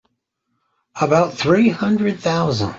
About three hundred thousand.